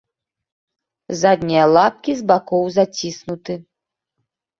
Заднія лапкі з бакоў заціснуты.